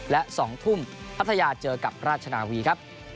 และ๒ทุ่มพัทยาเจอกับราชนาวีครับ